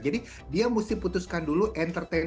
jadi dia harus putuskan dulu entertain